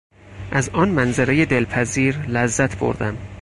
از آن منظرهی دلپذیر لذت بردم.